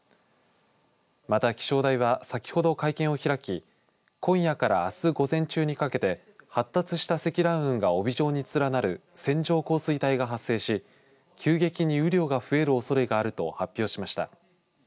また、気象台は先ほど会見を開き今夜から、あす午前中にかけて発達した積乱雲が帯状に連なる線状降水帯が発生し急激に雨量が増えるおそれがあると発表しました。